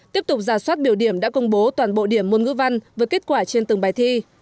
tiếp tục giả soát biểu điểm đã công bố toàn bộ điểm môn ngữ văn với kết quả trên từng bài thi